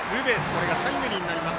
これがタイムリーになります。